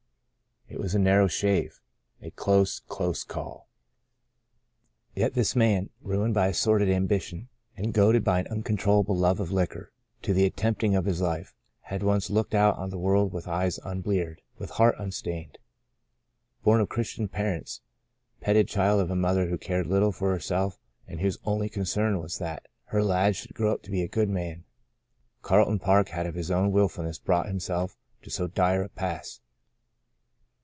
It was a narrow shave. A close, close call. Yet this man, ruined by a sordid ambition, and goaded by an uncontrollable love of liquor to the attempting of his life, had once looked out on the world with eyes unbleared, with heart unstained. Born of Christian par ents, petted child of a mother who cared little for herself and whose only concern was that her lad should grow to be a good man, Carl ton Park had of his own willfulness brought himself to so dire a pass.